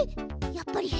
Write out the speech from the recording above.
やっぱり変？